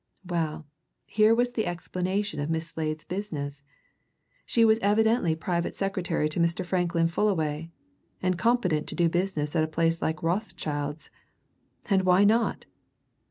Well here was the explanation of Miss Slade's business; she was evidently private secretary to Mr. Franklin Fullaway, and competent to do business at a place like Rothschild's. And why not?